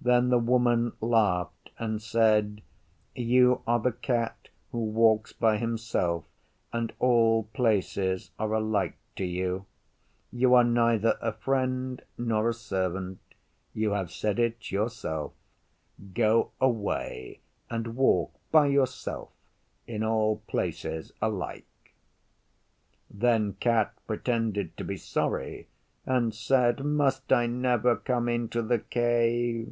Then the Woman laughed and said, 'You are the Cat who walks by himself, and all places are alike to you. Your are neither a friend nor a servant. You have said it yourself. Go away and walk by yourself in all places alike.' Then Cat pretended to be sorry and said, 'Must I never come into the Cave?